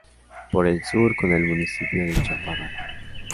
Por el Sur: con el Municipio de Chaparral.